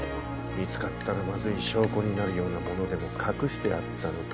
見つかったらマズい証拠になるような物でも隠してあったのか？